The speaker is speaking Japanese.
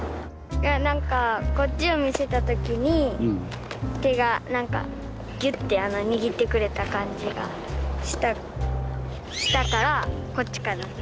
何かこっちを見せた時に手が何かギュッて握ってくれた感じがしたしたからこっちかな。